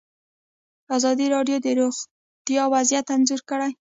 ازادي راډیو د روغتیا وضعیت انځور کړی.